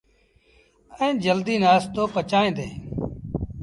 ائيٚݩ جلديٚ نآستو پچائيٚݩ ديٚݩ۔